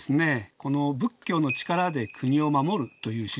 この仏教の力で国を護るという思想